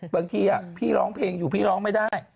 บางทีพี่ร้องเพลงอยู่พี่ร้องไม่ได้